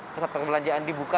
pusat perbelanjaan dibuka